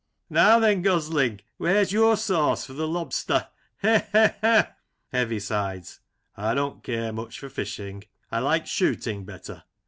Now then. Gosling, where's your sauce for the lobster ? He ! he ! he i Heavisides: I don't care much for fishing. I like shooting better.